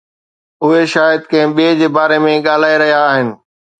اهي شايد ڪنهن ٻئي جي باري ۾ ڳالهائي رهيا آهن.